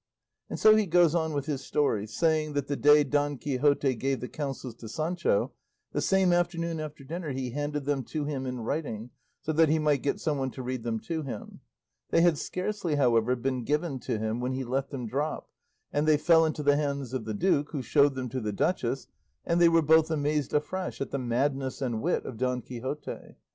And so he goes on with his story, saying that the day Don Quixote gave the counsels to Sancho, the same afternoon after dinner he handed them to him in writing so that he might get some one to read them to him. They had scarcely, however, been given to him when he let them drop, and they fell into the hands of the duke, who showed them to the duchess and they were both amazed afresh at the madness and wit of Don Quixote.